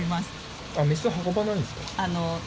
メス運ばないんですか？